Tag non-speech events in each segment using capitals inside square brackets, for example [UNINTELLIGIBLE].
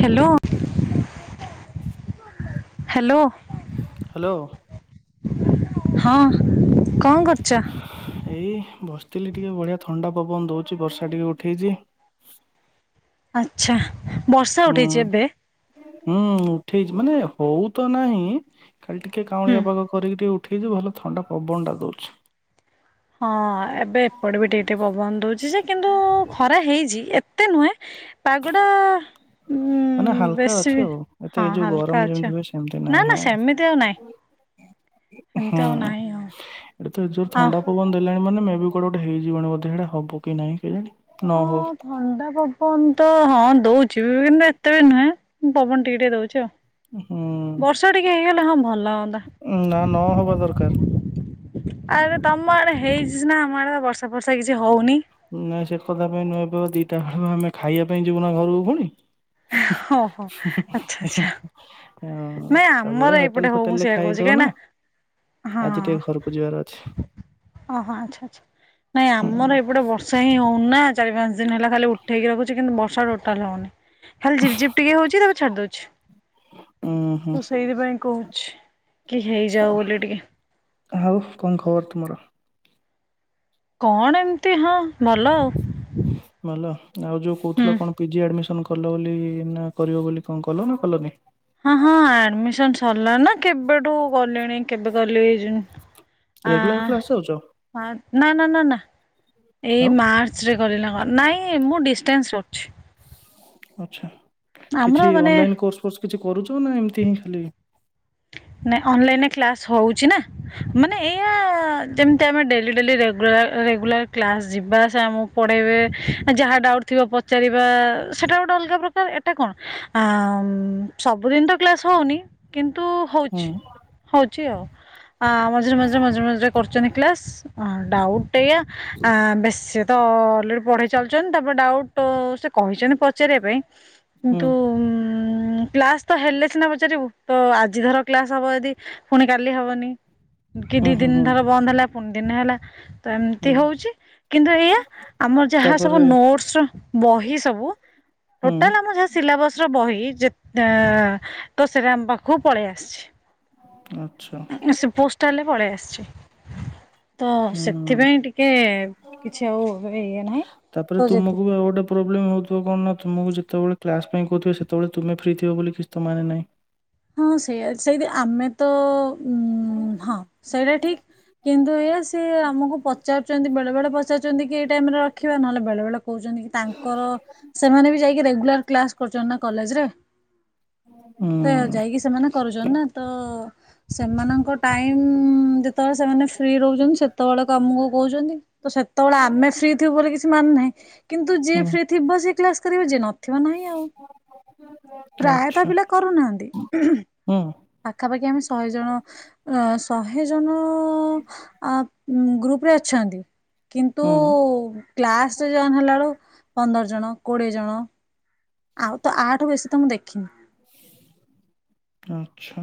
Hello. Hello. Hello ହଁ କଣ କରୁଛ? ଏଇ ବସ୍ଉ ଲି ଟିକେ ବଢିଆ ଥଣ୍ଡା ପବନ ଦଉଛି ବର୍ଷା ଟିକେ ଉଠେଇଛି। ଆଛା ବର୍ଷା ହୁଁ ଉଠେଇଛି ଏବେ। ହୁଁ ଉଠେଇଛି ମାନେ ହଉ ତ ନାହିଁ। ଖାଲି ଟିକେ ହୁଁ। କାଉଁଳିଆ ପାାଗ କରିକି ଟିକେ ଉଠେଇଛୁ ଭଲ ଥଣ୍ଡା ପବନଟା ଦଉଛି। ହଁ ଏବେ ଏପଟେ ବି ଟିକେ ଟିକେ ପବନ ଦଉଛି ଯେ କିନ୍ତୁ ଖରା ହେଇଛିଏ ଏତେ ନୁହେଁ। ପାଗୁଡା ଉ ମାନେ ହାଲକା ବେଶୀ ଅଛି ଆଉ ଏତେ ହଁ ଏ ଯୋଉ ଗରମ ହାଲକା ଯେମିତି ଅଛି ହୁଏ ସେମିତି ନାହିଁ ନା ହଁ ନା ସେମିତି ଆଉ ନାହିଁ। ସେମିତି ଆଉ ହୁଁ। ନାହିଁ ଆଉ ଏଠି ତ ଜୋର ଆଉ ଥଣ୍ଡା ପବନ ଦେଲାଣି ମାନେ ମେ ବି କୁଆଡେ ଗୋଟେଇଯିବଣି ବୋଧେ ଇଡା ହବ କି ନାଇଁ କେ ଜାଣି ହଁ ଥଣ୍ଡା ପବନ୍ ତ ହଁ ଦଉଛି ବି କିନ୍ତୁ ଏତେ ବି ନୁହେଁଁ ପବନ ଟିକେ ଟିକେ ଦଉଛି ଆଉ। ହୁଁ ବର୍ଷା ଟିକେ ହେଇଗଲେ ହଁ ଭଲ ହୁଅନ୍ତା। ନା ନ ହବା ଦରକାର। ଆରେ ତମ ଆଡେ ହେଇଛି ସିନା ଆମ ଆଡେ ତ ବର୍ଷା ବର୍ଷା କିଛି ହଉନି। ନାଇଁ ସେ କଥା ପାଇଁ ନୁହେଁ ଏବେ ଦିଟା ବେଳ ଆମେ ଖାଇବା ପାଇଁ ଯିବୁ ନା ଘରକୁ ପୁଣି। ଓହୋ ଆଛା ଆଛା ହଁ ନାଇଁ ସବୁବେଳେ ଆମର ହୋଟେଲ ଏପଟେ ହଉ ଫୋଟେଲ ମୁ ରେ ସେୟା କହୁଛି। କାହିଁ ଖାଇଦଉନା ନା ହଁ ଆଜି ଟିକେ ଘରକୁ ଯିବାର ଅଛି। ଓହୋ ଆଛା ଆଛା ନାଇଁ ଆମର ଏପଟେ ବର୍ଷ ବର୍ଷାି ହି ହଉନା ଚାରି ପାଞ୍ଚ ଦିନ ହେଲା ଖାଲି ଉଠେଇକିଖୁଛି କିନ୍ତୁ ବର୍ଷା ଟୋଟାଲ ହଉନି। ଖାଲି ଝିପ୍ ଝିପ୍ ଟିକେ ହଉଛି ତାପରେ ଛାଡି ଦଉଛି। ଉୁଁ ହୁଁ ମୁଁ ସେଇଥିପାଇଁ କହୁଛି କି ହେଇଯାଉ ବୋଲି ଟିକେ। ଆଉ କଣ ଖବର ତୁମର? କଣ ଏମିତି ହଁ ଭଲ ଆଉ। ଭଲା ଆଉ ଯୋଉ ହୁଁ। କହୁଥିଲ। କଣ ପିଜି ଆଡମିସନ କ କଲ ବୋଲି ନା କରିବ ବୋଲି କଣ କଲ ନା କଲନି? ହଁ ହଁ ଆଡମିସନ ସରିଲାଣି ନା କେବେଠୁ କଲିଣି। କେବେ କଲି ଜୁ ଆ ରେଗୁଲାର କ୍ଲାସ ଯାଉଛ? ଅଁ ନା ନା ନା ନା ଏଇ ଆଉ ମାର୍ଚ୍ଚ ରେ କରିଲି ହଁ ନାଇଁ ମୁଁ ଡିଷ୍ଟାନ୍ସ କରୁଛି ଆଛା ଆମର କିଛି ମାନେ ଅନଲାଇନ କୋର୍ସ ଫୋର୍ସ କିଛି କରୁଚ? ନା ଏମିତି ହିଁ ଖାଲି ନାଇଁ, ଅନଲାଇନରେ କ୍ଲାସ ହଉଚି ନା। ମାନେ ଏଇଆ, ଯେମତି ଆମେ ଡେଲି-ଡେଲି ରେୁଗୁଲାର ରେଗୁଲାର କ୍ଲାସ ଯିବା-ଆ, ସେ ଆମକୁ ପଢେଇବେ, ଯାହା ଡାଉଟ୍ ଥିବା ପଚାରିବା ସେଟା ଗୋଟେ ଅଲଗ ପ୍ରକାର। ଏଟା କଣ ଆ ଆ ଉଁ ସବୁଦିନ ତ କ୍ଲାସ ହଉନି କିନ ତୁ ହୁଁ ହୋଉଚି ହୋଉ ହୋଉଚି ଆଉ। ହଁ ମଝିରେ ମଝିରେ ମଝିରେ କରୁଚନ୍ତି। କ୍ଲାସ୍ ହଁ ଡାଉଟ୍ ଟା ଏଇଆ ବେଶୀ ତ ଅଲରେଡ଼ି ପଢ଼େଇ ଚାଲିୁଚନ୍ତି ତାପରେ ଡାଉଟ୍। ସେ କହିଛନ୍ତି ପଚାରିବା ପାଇଁ ହୁଁ କିନ୍ତୁ। ଉ କ୍ଲାସ ତ ହେଲେ ସିନା ପଚାରିବୁ ତ ଆଜ ଆଜି ଧର କ୍ଲାସ ହବ ଯେଦି ପୁଣି କାଲି ହବନି। କି ହୁଁ ଦି ହୁଁ ଦିନ ହୁଁ ଧର ବନ୍ଦ ହେଲା ଦିନେ ହେଲା ଏମତି ହୁଁ ହଉଛି ତ କିନ୍ତୁ ଏଇଆ ଆମର ଯାହା ସବୁ ତାପରେ ନୋଟସ ର, ବହି ସବୁ ହୁଁ ଟୋଟାଲ ଆମର ସେ ସିଲାବସ ର ବହି ଯେତେ ତ ସେଟା ଆମ ପାଖ କୁ ପଳେଇ ଆସଛି। ଆଚ୍ଛା ଉ ସେ ପୋଷ୍ଟାଲ ରେ ପଳେଇଆ ସଛି ତ ହୁଁ। ସେଥିପାଇଁ ଟିକେ କିଛି ଆଉ ଇଏ ନାହିଁ ତାପରେ ତ ଜେଦି ତୁମକୁ ଆଉ ଗୋଟେ ପ୍ରୋବ୍ଲେମ ହଉଥିବ କଣ ନା ତୁମକୁ ଯେତେବେଳେ କ୍ଲାସ ପାଇଁ କହୁଥିବେ ସେତେବେଳେ ତୁମେ ଫ୍ରି ଥିବ ବୋଲି କିଛି ତ ମାନେ ନାହିଁ। ହଁ ସେଇଆ ସେଇଥି ଆମେ ତ ଉଁ-ଉ-ଉ, ହଁ ସେଇଟା ଠିକ, କିନ୍ତୁ ଏଇଆ, ସେ ଆମକୁ ପଚାରୁଚନ୍ତି ବେଳେ ବେଳେ ପଚାରୁଚନ୍ତି କି ଟାଇମ ରେ ରଖିବେ, ନହେଲେ ବେଳେବେଳେ କୋହୁଛନ୍ତି କି ତାଙ୍କର, ସେମାନେ ବି ଯାଇକି ରେଗୁଲାର କ୍ଲାସ କରୁଛନ୍ତି ନା କଲେରେ। ହୁଁ ଯାଇକି ସେମାନେ କରୁଚନ୍ତି ନା ତ ସେମାନଙ୍କ ଟାଇମ ହୁଁ ଯେତେବେଳେ ସେମାନେ ଫ୍ରି ରୋହୁଚନ୍ତି, ସେତେବେଳେ କ ଆମକୁ କହୁଛନ୍ତି। ତ ସେତେବେଳେ ଆମେ ଫ୍ରି ଥିବୁ ବୋଲି କିଛି ମାନେ ନାହିଁ, କିନ୍ତୁ ଯିଏ ହୁଁ ଫ୍ରି ଥିବ ସିଏ କ୍ଲାସ କରିବ ଯିଏ ନ ନଥିବ ନାହିଁ ଆଉ, ପ୍ରାୟତଃ ପିଲା କରୁନାହାନ୍ତି। ହୁଁ-ଉ। ପାଖାପାଖି ଆମେ ଶହେ ଜଣ ଶହେ ଜଣ ଆ। ଗ୍ରୁପ ରେ ଅଛନ୍ତି। କିନ୍ତୁ ହୁଁ। କ୍ଲାସରେ ଜଏନ୍ ହେଲା ବେଳୁ ପନ୍ଦର ଜଣ। କୋଡିଏ ଜଣ ଆଉ ତ ଆଠୁ ବେଶୀ ତ ମୁଁ ଦେଖିନି ଆଛା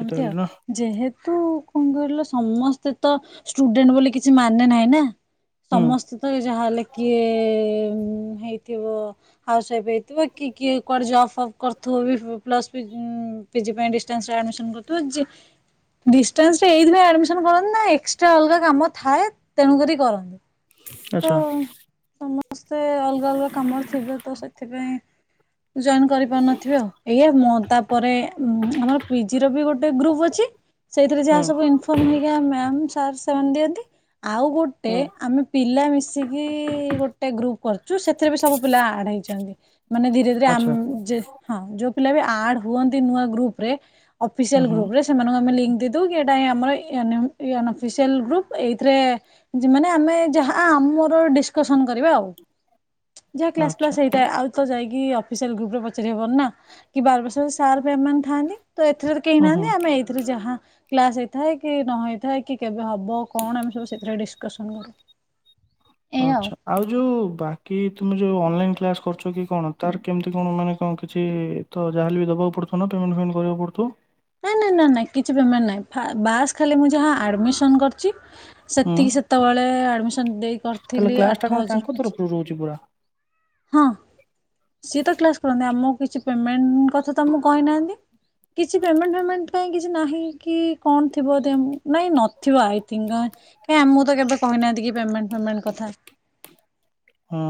ଏମତି ଆଉ ଯେହେତୁ ତୁ କଣ କହିଲୁ ସମସ୍ତେ ତ ଷ୍ଟୁଡେଣ୍ଟ ବୋଲି କିଛି ମାନେ ନାହିଁ ନା ହୁଁ ସମସ୍ତେ ତ ଯାହାହ ହେଲେ କିଏ ହେଇ କିିବ ହାଉସ ୱାଇଫ ଥିବ କି କିଏ କୁଆଡେ ଜବ୍ ଫବ୍ କର ତୁ ବି ଫୁ ପ୍ଲସ୍ ପିଜି ପାଇଁ ଡିଷ୍ଟାଣ୍ଟ ଟା ଏଇଥିପାଇଁ କରନ୍ତି ନା ଏକ୍ସଟ୍ରା ଅଲଗା କାମ ଥାଏ ତେଣୁ କରି କରନ୍ତି। ତ ଆଚ୍ଛା ସମସ୍ତେ ଅଲଗା ଅଲଗା କାମରେ ଥିବେ ତ ସେଥିପାଇଁ। କରିପାରୁନଥିବ ଆଉ ଏ ତାପରେ ଆମର ପିଜି ର ବି ଗୋଟେ ଗ୍ରୁପ ଅଛି ସେଇଥିରେ ହୁଁ ଯାହା ସବୁ ଇନର୍ ହେଇ ସ ସେମାନେ ଦିଅନ୍ତି। ଆଉ ଗୋଟେ ହୁଁ ଆମେ ପିଲା ମିଶିକି ଗୋଟେ ଗ୍ରୁପ୍ କରୁଛୁ ସେଥିରେ ବି ସବୁ ପିଲା ଆଡ଼ ହେଇଛନ୍ତି। ମାନେ ଧୀରେ ଧୀରେ ଆ ଆଚ୍ଛା ହଁ ଯୋଉ ପିଲା ବି ଆଡ ହୁଅନ୍ତି ନୂଆ ଗ୍ରୁପ ରେ ହୁଁ ଅଫିସିଆଲ ହୁଁ ଗ୍ରୁପରେ ସେମାନଙ୍କୁ ଆ ଲଙ୍କ କିଟା ହ ଆମର ଗ୍ରୁପ ଏଇଥିରେ ମାନେ ଆମେ ଯାହା ଆମର ଡିସକସନ କରିବା ଆଉ ଯାହା କ୍ଲାସ ଆଚ୍ଛା ପ୍ଲାସ ହେଇଥାଏ ଆଉ ତ ଯାଇକି କି ଅଫିସିଆଲ ଗ୍ରୁପ ରେ ପଚାରି ହବନ ନା କି ବାର ବର୍ଷରେ ସାର୍ ଏମାନେ ଥାଆନ୍ତି। ତ ଏଥିରେ ତ କେହି ହୁଁ ହୁଁ ନାହାନ୍ତି ଆମେ ଏଇଥିରୁ ଯାହା କ୍ଲାସ ହେଇଥାଏ କି ନ ହେଇଥାଏ କି କେମତି ହବ କଣ ଆମେ ସବୁ ସେଥିରେ ଆକଷନ କରୁ ଆଛା ଆଉ ଯୋଉ ବାକି ତମେ ଯୋଉ ଅନଲାଇ କ୍ କରୁ କି କଣ ତାର କେମିତି କଣ ମାନେ କଣ କିଛି ତ ଯାହାେ ବି ଦେବାକୁ ପଡୁଥିବ ପେମେଣ୍ଟ ଫେମେଣ୍ଟ କରିବାକୁ ପଡୁଥିବ। ନାଇଁ ନାଇଁ ନ ନାଇଁ କିଛି ବମାର ନାଇଁ ବାସ୍ ଖାଲି ମୁଁ ଯାହା ଆଡମିସନ କରିଛି। ହୁଁ ଶକ୍ତି କି ସତା ବଳେ ଆଡମି ସନ୍ଦେ ତାହେଲେ କ୍ଲାସ ଟା କଣ ତାଙ୍କ ତରଫରୁ ରହୁଛି ପୁରା ହଁ ସିଏ ତ କ୍ଲାସ କରନ୍ତି ଆମ କିଛି ପେମେଣ୍ଟ କଥା ତ କହିନାହାନ୍ତି କିଟଣ୍ଟ କଁ କିଛି ନାହିଁ କି କଣ ଥିବ ନାଇଁ ନଥିବଇ କ ମୁ ତ କେବେ କହିନାହାନ୍ତି କି ହଁ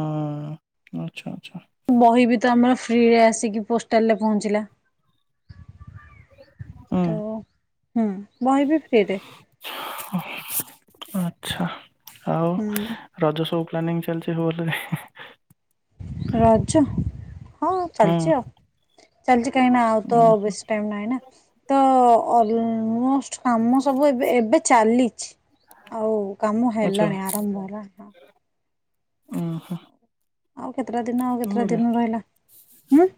ଆଛା ଆଚ୍ଛା ବହି ବି ତ ଆମର ଫ୍ରିରେ ଆସିକି ପୋଷ୍ଟାଲ ରେ ପହଞ୍ଚିଲା ହୁଁ ତ ହୁଁ ବହି ବିି ଫ୍ରିରେ ଆଚ୍ଛା ଆଉ ହୁଁ ରଜ ସବୁ ପ୍ଲାନିଂ ଚାଲଛି ହବ ରଜ ହଁ ଚାଲିଛି ଆଉ ସଜି କାହିଁ ନା ଆଉ ତ ବେଶୀ ଟାଇ ନହିଁ ନା ତ କାମ ସବୁ ଏବେ ଏବେ ଚାଲିଛି ଆଉ କାମ ହେଲାଣି ଆରମ୍ଭ ହେଲା ଓହୋ ଆଉ କେତେଟା ଦିନ ଆଉ କେତେଟା ଦିନ ରହିଲା ହୁଁ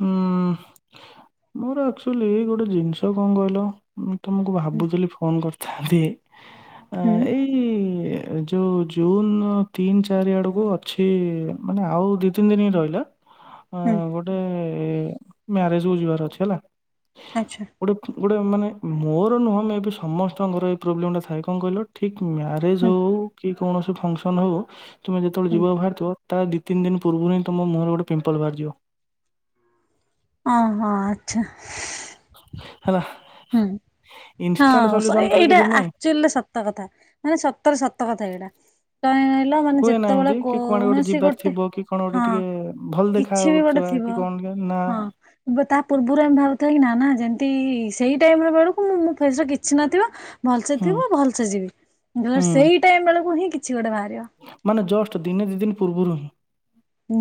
ହୁଁ ମୋର ଆକ୍ଚୁଲି ଗୋଟେ ଜିନିଷ କଣ କହିଲ ତ ମୁଁକୁ ହୁଁ ଭାବୁଥିଲି ଫୋନ କରିଥିଲ ତାଦେ ଅ ହୁଁ ଏଇ ଏ ଯଉ ଜୁନ ତିନି ଚାରି ଆଡ଼କୁ ଅଛି ମାନେ ଆଉ ଦି ତିନି ଦିନ ହିଁ ରହିଲା ଅ ହୁଁ ଗୋଟେ ମ୍ୟାରେଜ ବ ଯିବାର ଅଛି ହେଲା ଆଚ୍ଛା ଗୋଟେ ଗୋଟେ ମାନେ ମୋର ନୁହଁମେ ଏବେ ସମସ୍ତଙ୍କର ଏଇ ପ୍ରୋବ୍ଲେମ୍ଟା ଥାଏ କଣ କହିଲ ଠିକ୍ ମ୍ୟାରଜ ହୁଁ ହଉ କି କୌଣସି ଫଙ୍କସନ ହଉ ତୁମେ ଯେତବେଳେ ହୁଁ ଯିବା ବାହାରଥିବ ତା ଦି ତିନି ଦିନ ପୂର୍ବରୁ ହିଁ ତମ ମୁହଁରେ ଗୋଟେ ପିମ୍ପଲ ବାହାରିଯିବ ଓ ହୋ ଆଛା ହ ହୁଁ ହଁ ସଲ୍ୟୁସନ୍ ତାର ଏଇଟା କିଛି ନାହିଁ। ଆକ୍ଚୁଆଲିରେ ସତ କଥା ମାନେ, ସତରେ ସତ କଥା ଏଇଟା କ କହିଲ ମାନେ ହୁଏ ନାହିଁ ଯେତେବେଳେ କି କି କୁଆଡେ କୌଣସି ଯିବାର ଗୋଟେ ଥିବ କି କଣ ଗୋଟେ ହଁ ଟିକେ ଭଲ ଦେଖା କିଛି ବି ଗୋଟେ ହଉଥିବା ଥିବ କି କଣ ଟିକେ ନା ହଁ ତା ପୂର୍ବରୁ ଆମେ ଭାବୁ କି ନା ନା ଯେ ଦେଇ ସେଇ ଟାଇମ ବେଳକୁ ମୁଁ ମୋ ଫେସରେ କିଛି ନଥିବା ଭଲସେ ହୁଁ ଥିବ ଭଲସେ ଯିବ ନ ହୁଁ ସେଇ ଟାଇମ ବେଳକୁ ହିଁ କିଛି ଗୋଟେ ବାହାରିବ ମାନେ ଜଷ୍ଟ ଦିନେ ଦି ଦିନି ପୁର୍ବରୁ ହିଁ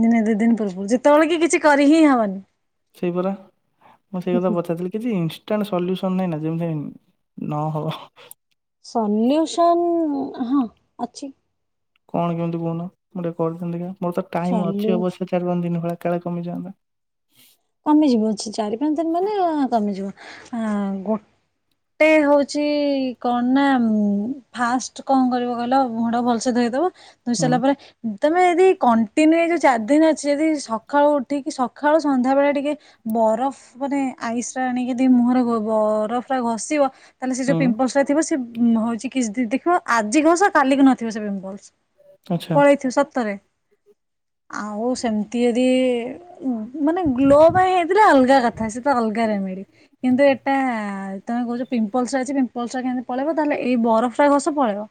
ଦିନେ ଦୁଇ ଦିନ ପୂର୍ବରୁ ଯେତେବେଳେ କି କିଛି କରି ହିଁ ହବନି। ସେଇପରା ମୁଁ ସେଇ କଥା ପଚାରଥିଲି କିଛି ଇନାଣ୍ଟ ସଲ୍ୟୁସନ ନାଇଁ ନା ଯେମିତି ନ ହବ ସଲ୍ୟୁସନ ହଁ ଅଛି। କଣ କେମିତି କହୁନ ଗୋଟେ [UNINTELLIGIBLE] ଦେଖିବା। ମୋର ତ ଟାଇମ୍ ସଲ୍ୟୁ ଅଛି ଅବଶ୍ୟ ଚାରି ପାଞ୍ଚ ଦିନ ଭଳିଆ କାଳେ କମି ଯାବ କମିଯିବ ଅଛି, ଚାରି ପାଞ୍ଚ ଦିନ ମାନେ କମିଯିବ ଆ ଗୋଟେ ହଉଛି କଣ ନା ଫାଷ୍ଟ କଣ କରିବ କହିଲ ମୁହଁ ପାଖକୁ ଭଲସେ ଧୋଇଦବ। ଧୋଇ ହୁଁ ସାରିଲା ପରେ ତମେ ଯଦି କଣ୍ଟ ତିନିରେ ଯୋଉ ଚାରି ଦିନ ଅଛି ଯଦି ସକାଳୁ ଉଠିକି ସକାଳୁ ସନ୍ଧ୍ୟାବେଳେ ଟିକେ ବରଫ ମାନେ ଆଇସ ଟା ଆଣିକି ଦି ମୁହଁରେ ବରଫ ଟା ଘଷିବ ତାହେଲେ ସେ ଯଉ ହୁଁ ପିମ୍ପଲ୍ସ ଟା ଥିବ ମୁହଁ ହଉଛି କିଛିଦିନ ଦେଖିବ ଆଜିି ଘସ କାଲିକି ନଥିବ ସେ ପିମ୍ପଲ୍ସ ଆଚ୍ଛା ପଳେଇଥିବ ସତରେ ଆଉ ସେମତି ଯଦି ମାନେ ଗ୍ଲୋ ପାଇଁ ହେଇଥିଲା ଅଲଗା କଥା ସେ ତ ଅଲଗ ରେମିଡି କିନ୍ତୁ ଏଇଟା ତମେ କହୁଛ ପିମ୍ପଲ୍ସ ଅଛି ପିମ୍ପଲ୍ସ ଟା କେମିତି ପଳେଇବ ତାହେଲେ ଏଇ ବରଫଟା ଘଷ ପଳେଇବ।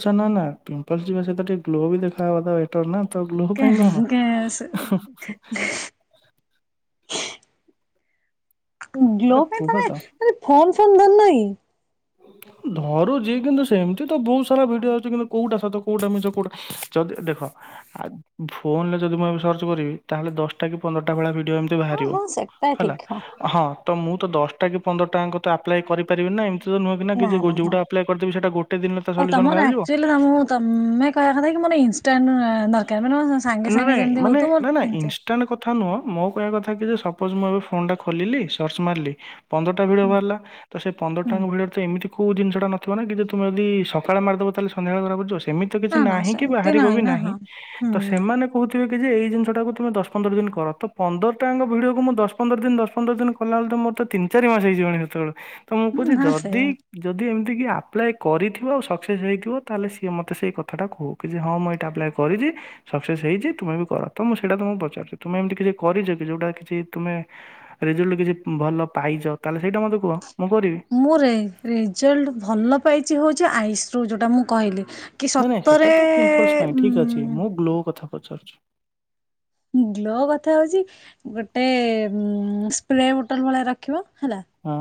ଆଛା ନା ନା ପିମ୍ପଲ୍ସ ଯିବା ସହିତ ଟିକେ ଗ୍ଲୋ ବି ଦେଖା ହବା ତ ମ୍ୟାଟର ନା ତ ଗ୍ଲୋ ପାଇଁ କଣ କେସ କେସ ହି ଗ୍ଲୋ ଆରେ ପାଇଁ କୁହ ତମେ ତ ଫମ ଚନ୍ଦନ ନାହିଁ। ଧରୁଛି କିନ୍ତୁ ସେମିତି ତ ବହୁତ ସାରା ଭିଡିଓ ଅଛି କିନ୍ତୁ କୋଉଟା ସତ କୋଉଟା ମିଛ କୋଉଟା ଯଦି ଦେଖ ଫୋନ ରେ ଯଦି ମୁଁ ଏ ସର୍ଚ୍ଚ କରିବି ତାହେଲେ ଦଶଟା କି ପନ୍ଦରଟା ଭଳିଆ ଭିଡି ଏମିତି ହଁ ବାହାରିବ ହଁ ସେଟା ହେଲା ଠିକ ହଁ ତ ମୁ ତ ଦଶଟା କି ପନ୍ଦରଟାଙ୍କ ତ ଆପ୍ଲାଏ କରିପାରିବିନି ନା ଏମିତି ସେମିତି ତ ନୁହେଁ ବିନା କି ନା ଯିଏ ନା ହଁ ଯୋଉଟା ଆପ୍ଲାଏ କରିଥିବି ସେଟା ଗୋଟେ ଆଉ ଦିନରେ ତମର ବାହାରି ଯିବ। ଆକ୍ଚୁଆଲି ତମକୁ ତମେ କହିବା କଥା କି ମୋର ଇନଷ୍ଟାଣ୍ଟ ଦରକାର ମାନେ ମୋ ସାଙ୍ଗେ ନା ସାଙ୍ଗେ ନାଇଁ ଯେମିତି ହଉଥିବ ମୋର ନା ନା ତିନି ଚାରି ଇନଷ୍ଟାଣ୍ଟ କଥା ନୁହଁ। ମୋ କହିବା କଥା କି ଯେ ସପୋଯ ମୁଁ ଆଉ ଫୋନଟା ଖୋଲିଲି ସର୍ଚ୍ଚ ମାରିଲି ପନ୍ଦରଟା ଭିଡିଓ ହୁଁ ବାହାରିଲା ତ ସେ ପନ୍ଦରଟା ହୁଁ ତମ ଭିଡିଓରେ ତ ଏମିତି କେଉଁଦିନିଷଟା ନ ଥିବନା କିନ୍ତ ତୁମେ ଯଦି ସକାଳେମାରିଦବ ତାହାଲେ ସନ୍ଧ୍ୟାଳେ ଘରେ ପହଞ୍ଚି ସେମିତି ତ କିଛି ନା ନା ନାହିଁ କି ସେମିତି ବାହାରିବ ବି ନା ନାହିଁ ହଁ ହୁଁ ତ ନା ସେମାନେ କହୁଥିବେ ଯେ ଏଇ ଜିନିଷ ଟାକୁ ତମେ ଦଶ ପନ୍ଦର ଦିନ କର ତ ପନ୍ଦର ଟାଙ୍କ ଭିଡିଓକୁ ମୁଁ ଦଶ ପନ୍ଦର ଦିନ ଦଶ ପନ୍ଦର ଦିନ କଲା ବେଳେ ତ ମୋର ତ ତିିନି ଚାରି ମାସ ହେଇଯିବଣି ସେତେବେଳେ ତ ହଁ ଯଦି ସେଇଆ ଯଦି ଏମତି ଯଦି କିିଏ ଆପ୍ଲାଏ କରିଥିବ ଆଉ ସକ୍ସେସ୍ ହେଇଥିବ ତାହେଲେ ସିଏ ମତ ସେ କଥାଟା କହୁ କି ହଁ ମୁଁ ଏଇଟା ଆପ୍ଲାଏ କରିଛି ସକ୍ସେସ୍ ହେଇଛି ତୁମେ ବି କର ତ ମୁଁ ସେଇଟା ତମକୁ ପଚାରୁଛି ତୁମେ ଏମିତି କିଛି କରିଛ କି ଯୋଉଟା କିଛି ତୁମେ ରିଜଲ୍ଟରୁ କିଛି ଭଲ ପାଇଛ ତାହେଲେ ସେଇଟା ମୋତେ କୁହ ମୁଁ କରିବି। ମୋ ରେ ରେଜଲ୍ଟ ଭଲ ପାଇଛି ହେଉଛି ଆଇସ ରୁ ଯେଉଁଟା ମୁଁ କହିଲି। କି ନାଇଁ ନାଇଁ ସତରେ ହେଟା ତ ପିମ୍ପଲସ ପାଇଁ ଠିକ୍ ଅଛି ଉଁ ମୁଁ ଗ୍ଲୋ କଥା। ପଚାରୁଛି। ଗ୍ଲୋ କଥା ହଉଛି ଗୋଟେ ଉ ସ୍ପ୍ରେ ବୋଟଲ ଭଳିଆ ରଖିବ। ହେଲା ହଁ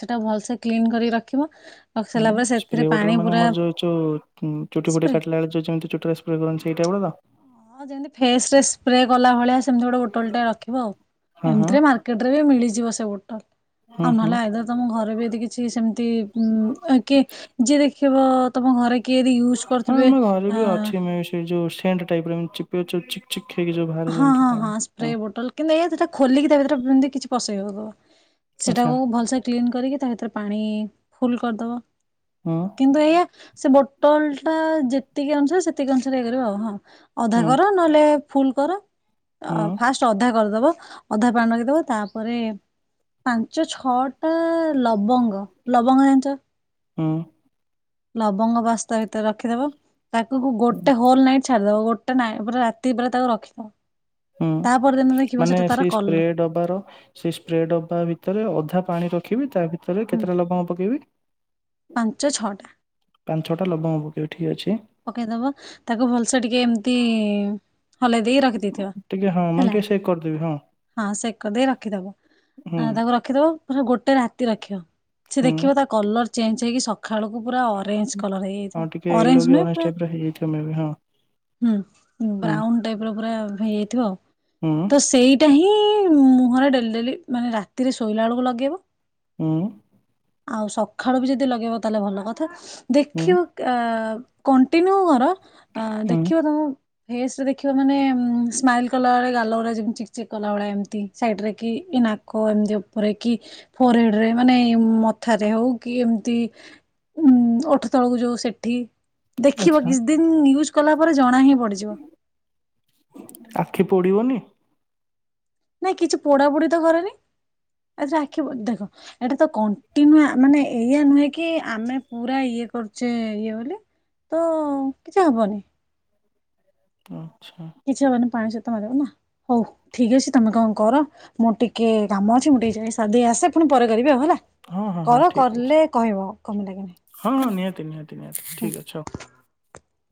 ସେଟା ଭଲସେ କ୍ଲିନ କରି ରଖିବ। ରଖି ସାରିଲା ହଁ ପରେ ସେଥିରେ ସ୍ପ୍ରେ ପାଣି ବୋଟଲ ମାନେ ପୁରା ଆମର ଯୋଉ ଏଉ ଚୁଟି ଫୁଟି ସ୍ପ୍ରେ କାଟିଲା ବେଳେ ଯୋଉ ଯେମିତି ଚୁଟିରେ ସ୍ପ୍ରେ କରନ୍ତି ସେଇଟା ଗୁଡା ତ ହଁ ଯେମିତି ଫେସ ରେ ସ୍ପ୍ରେ କଲା ଭଳିଆ। ସେମତି ଗୋଟେ ବୋଟଲ ଟା ରଖିବ ଆଉ ହଁ ହଁ ଏମିତିରେ ମାର୍କେଟ ରେ ବି ମିଳିଯିବ ସେ ବୋଟଲ ହୁଁ ଆଉ ହୁଁ। ନହେଲେ ଆଇଦର ତମ ଘରେ ବିି କିଛି ସେମିତି ହୁଁ କିଏ ଯିଏ ଦେଖିବ ତମ ଘରେ କିଏ ଯଦି ୟୁଜ୍ କରୁଥିବେ ଆଁ। ଏମଟା ଟାଇପ୍ ର ଚିପିଲେ ଯୋଉଁ ଚିପ ଚିପ ହଁ ହଁ ହଁ ସ୍ପ୍ରେ ବୋଟଲ କିନ୍ତୁ ଏ ଏଟା ଖୋଲିକି ତା ଭିତରେ ପୁରେଇ କିଛି। ପସେଇ ହେବ। ଆଚ୍ଛା ସେଇଟାକୁ ଭଲସେ କ୍ଲିନ କରିକି ତା ଭିତରେ ପାଣି ଫୁଲ କରିଦବ। ହୁଁ କିନ୍ତୁ ଏୟା। ସେ ବୋଟଲଟା ଯେତିକି ଅନୁସାରେ ସେତିକି ଅନୁସାରେ କରିବ ଆଉ ହଁ। ଅଧା ହୁଁ କର ନହେଲେ ଫୁଲ କର ଆ ହୁଁ ଫାଷ୍ଟ ଅଧା କରିଦବ। ଅଧା ପାଣି ରଖିଦବା ତାପରେ ପାଞ୍ଚ ଛଅ ଟା ଲବଙ୍ଗ ଲବଙ୍ଗ ଜାଣିଛ। ହଁ ଲବଙ୍ଗ ତା ଭିତରେ ରଖିଦେବ। ତାକୁ ହୁଁ ଗୋଟେ ହୋଲ ନାଇଟ୍। ଛାଡ଼ିଦବ ଗୋଟେ ନାଇଁ ପୁରା ରାତି ପୁରା ତାକୁ ରଖିବ। ହୁଁ ମାନେ ସେଇ କଲର ସ୍ପ୍ରେ ଡବାର ସେ ସ୍ପ୍ରେ ଡବା ଭିତରେ ଅଧା ପାଣି ରଖ। ରଖିବି ତା ଭି ତାଠାରେ ହୁଁ କେତେଟା ଲବଙ୍ଗ ପକେଇବି। ପାଞ୍ଚ ଛଅଟା। ଛଟା ଲଙ୍ଗବକ ଠିକ ଅଛି। ପକେଇଦବା ତାକୁ ଭଲସେ ଟିକେ ଏମତି। ହଲେଇ ଦେଇକି ରଖିଦେଇେଇଥିବ ଟିକେ ହଁ ମାନେ ହେଲା ଟିକେ ସେକ୍ କରିଦେବି ହଁ ହଁ ସେକ ଦେଇେଇ ରଖିଦବ ହୁଁ। ତାକୁ ରଖିଦବ। ମ ଗୋଟେ ରାତି ରଖିବ। ସେ ହୁଁ ଦେଖିବ ତା କଲର ଚେଞ୍ଜ ହେଇକି ସକାଳୁକୁ ପୁରା ଅରେଞ୍ଜ କଲର ହଁ ଏଇଇ ଟିକେ ୟେଲୋ ଅରେଞ୍ କି ଅରେଞ୍ଜ ନୁହଁ। ଟାଇପର ହେଇଯାଇଥିବ ମେ ବି ହଁ ହଁ ହୁଁ। ବ୍ରାଉନ୍ ଟାଇପ ର ପୁରା ହେଇଯାଇଥିବ ଆଉ ହୁଁ ତ ସେଇଟା ହିଁ ମୁହଁରେ ଡେଲି ଡେଲି ମାନେ ରାତିରେ ଶୋଇଲା ବେଳକୁ ଲଗେଇବ ହଁ ଆଉ ସକାଳୁ ବି ଯଦି ଲଗେଇବ ତାହେଲେ ଭଲ କଥା ହୁଁ ଦେଖୁ କଣ୍ଟିନ୍ୟୁ କର ଆ ହୁଁ ଦେଖିବ ତମ ଫେସ ରେ ଦେଖିବ ମାନେ ସ୍ମାଇଲ କଲା ବେଳକୁ ଗାଲ ରା ଯେମତି ଚିକ ଚିକ କଲା ଭଳିଆ ଏମତି ସାଇଡରେ କି ନାକ ଏମି ଉପରେ କି ଫୋରହେଡରେ ମାନେ ମଥାରେ ହଉ କି ଏମିତି ଉ ଅଠ ତଳକୁ ଯୋଉ ସେଠି ଦେଖିବ ଆଚ୍ଛା କିଛି ଦିନ ୟୁଜ କଲା ପରେ ଜଣା ହେବ ଆଖି ପଡିବନି ନାଇଁ କିଛି ପୋଡାପୋଡି ତ କରେନି ଆ ଆଖୀ ଦେଖ ଏଇଟା ତ କଣ୍ଟିନ୍ୟୁ ମାନେ ଏଇଆ ନୁହେଁ କି ଆମେ ପୁରା ଇଏ କର ସେ ଇଏ ବୋଲି ତ କିଛି ହବନି ହଁ କିଛି ହବନି ପାଞ୍ଚ ସତ ତମେ ଦେବ ନା ହଉ ଠିକ ଅଛି ତମେ କଣ କର ମୁଁର ଟିକେ କାମ ଅଛି ମୁଁ ଟିକେ ଯାଇଧ ଆସେ ପୁଣି ପରେ କରିବି ଆଉ ହେଲା ହଁ ହଁ ହଁ କର ଠିକ ଅଛି କରଲେ କହିବ କମିଲା କି ନାହିଁ ହଁ ହଁ ହେଲା ନିହାତି ନିହାତି ନିହାତି ହୁଁ। ଠିକ ଅଛି ହଉ